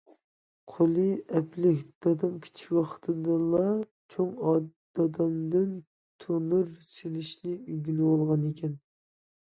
قولى ئەپلىك دادام كىچىك ۋاقتىدىلا چوڭ دادامدىن تونۇر سېلىشنى ئۆگىنىۋالغانىكەن.